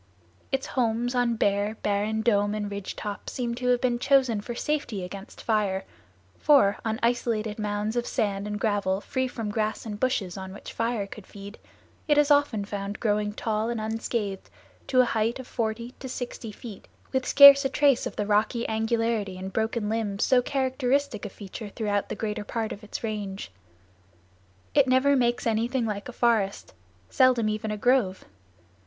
Its homes on bare, barren dome and ridge top seem to have been chosen for safety against fire, for, on isolated mounds of sand and gravel free from grass and bushes on which fire could feed, it is often found growing tall and unscathed to a height of forty to sixty feet, with scarce a trace of the rocky angularity and broken limbs so characteristic a feature throughout the greater part of its range. It never makes anything like a forest; seldom even a grove.